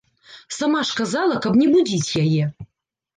Сама ж казала, каб не будзіць яе.